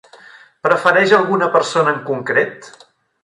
Prefereix alguna persona en concret?